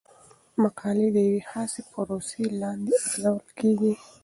مقالې د یوې خاصې پروسې لاندې ارزول کیږي.